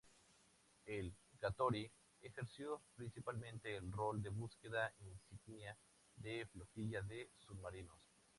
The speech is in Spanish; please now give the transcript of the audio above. El "Katori" ejerció principalmente el rol de buque insignia de flotilla de submarinos.